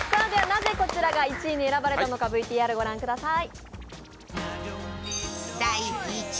なぜこちらが１位に選ばれたのか、ＶＴＲ御覧ください。